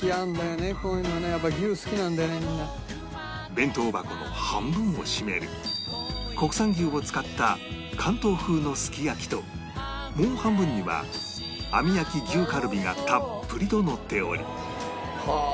弁当箱の半分を占める国産牛を使った関東風のすき焼きともう半分には網焼き牛カルビがたっぷりとのっており